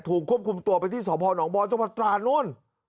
ถูกครบคุมตัวไปที่ส์อำเภาเหนาะเบาะจังหวัดตราดนู้น